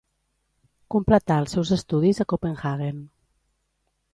Completà els seus estudis a Copenhaguen.